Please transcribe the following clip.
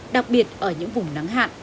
đặc biệt ở những vùng nắng hạn